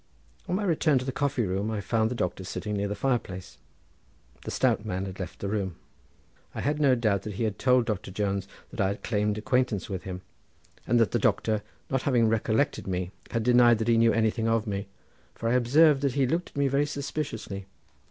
On my return to the coffee room I found the doctor sitting near the fire place. The stout man had left the room. I had no doubt that he told Doctor Jones that I had claimed acquaintance with him, and that the doctor not having recollected me had denied that he knew anything of me, for I observed that he looked at me very suspiciously.